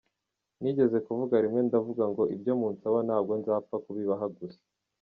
Nigeze kuvuga rimwe ndavuga ngo ibyo munsaba ntabwo nzapfa kubibaha gusa,.